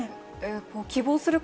希望する方